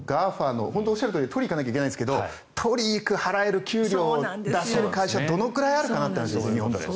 本当におっしゃるとおり取りにいかないといけないんですが取りに行く払える給料を出せる会社がどのくらいあるかという話ですよ。